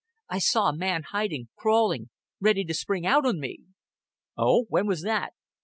"I saw a man hiding, crawling, ready to spring out on me." "Oh. When was that?"